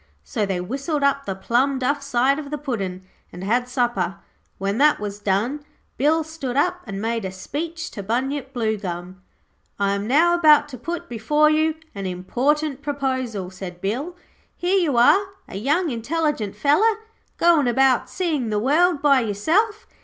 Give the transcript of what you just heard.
So they whistled up the plum duff side of the Puddin', and had supper. When that was done, Bill stood up and made a speech to Bunyip Bluegum. 'I am now about to put before you an important proposal,' said Bill. 'Here you are, a young intelligent feller, goin' about seein' the world by yourself.